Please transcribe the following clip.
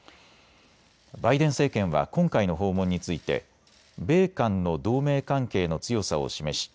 バイデン政権は今回の訪問について米韓の同盟関係の強さを示し